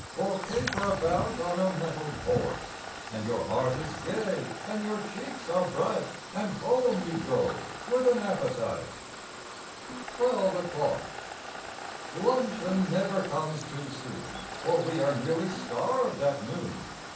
Or caper about on a mettled horse! And your heart is gay and your cheeks are bright— And home you go with an appetite! 21 ELEVEN O'CLOCK 23 TWELVE O'CLOCK 1 UNCHEON never comes too soon, J Eor we are nearly starved at noon!